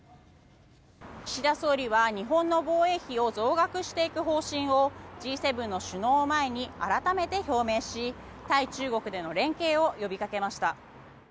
岸田総理は、日本の防衛費を増額していく方針をＧ７の首脳を前に改めて表明し対中国での連携を呼びかけました。